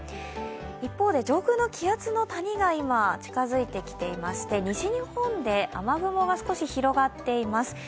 一方で上空の気圧の谷が今近づいてきていまして西日本で雨雲が少し広がっています。